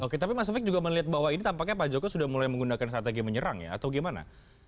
oke tapi mas taufik juga melihat bahwa ini tampaknya pak jokowi sudah mulai menggunakan strategi menyerang ya atau gimana